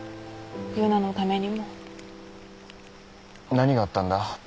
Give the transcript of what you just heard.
何があったんだ？